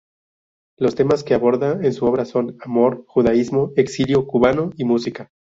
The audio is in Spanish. Los temas que aborda en su obra son: amor, judaísmo, exilio cubano y música.